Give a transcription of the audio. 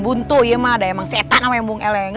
tentu iya mah ada emang setan sama yang buang eleng